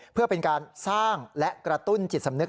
เพื่อเป็นการสร้างและกระตุ้นจิตสำนึก